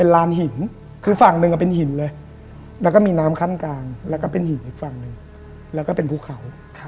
แล้วก็เป็นภูเขา